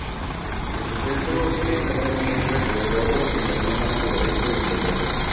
El suceso es aún bien recordado en la zona suroeste de Inglaterra.